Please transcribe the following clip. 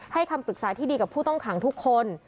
คำปรึกษาที่ดีกับผู้ต้องขังทุกคน